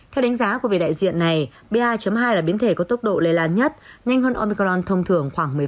theo đánh giá của vị đại diện này ba hai là biến thể có tốc độ lây lan nhất nhanh hơn omicron thông thường khoảng một mươi năm